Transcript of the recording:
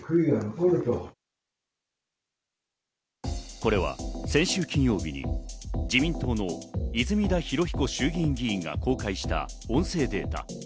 これは先週金曜日に自民党の泉田裕彦衆議院議員が公開した音声データ。